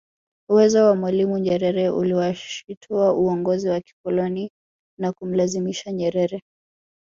Uwezo wa mwalimu Nyerere uliwashitua uongozi wa kikoloni na kumlazimisha Nyerere